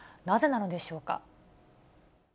なぜなのでしょうか。